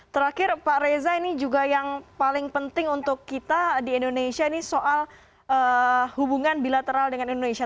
terakhir pak reza ini juga yang paling penting untuk kita di indonesia ini soal hubungan bilateral dengan indonesia